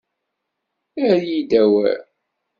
Err-iyi-d awal.